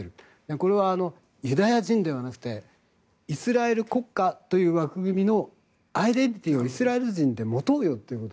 これはユダヤ人ではなくてイスラエル国家という枠組みのアイデンティティーをイスラエル人で持とうよという。